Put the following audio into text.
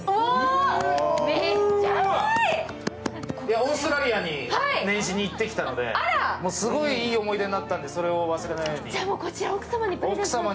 オーストラリアに年始に行ってきたのですごいいい思い出になったのでそれを忘れないように。